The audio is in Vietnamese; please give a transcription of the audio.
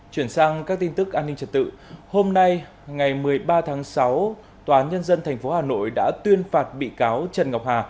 chuyển sang các tin tức an ninh trật tự hôm nay ngày một mươi ba tháng sáu tòa nhân dân tp hà nội đã tuyên phạt bị cáo trần ngọc hà